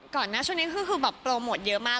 หน้าช่วงนี้คือแบบโปรโมทเยอะมาก